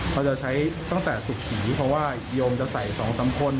เราจะใช้ตั้งแต่สุขีเพราะว่ายอมจะใส่สองสามคน